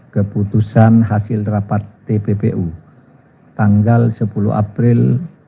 keputusan hasil rapat tppu tanggal sepuluh april dua ribu dua puluh